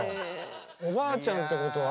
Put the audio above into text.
おばあちゃんってことは？